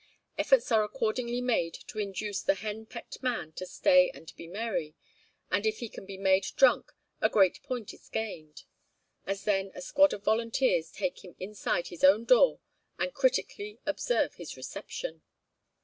Efforts are accordingly made to induce the henpecked man to stay and be merry, and if he can be made drunk a great point is gained, as then a squad of volunteers take him inside his own door and critically observe his reception.